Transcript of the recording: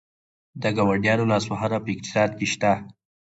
د ګاونډیانو لاسوهنه په اقتصاد کې شته؟